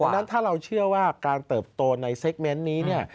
ดังนั้นถ้าเราเชื่อว่าการเติบโตในเซคเมนต์นี้เนี่ย